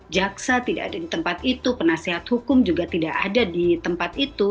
jaksa tidak ada di tempat itu penasehat hukum juga tidak ada di tempat itu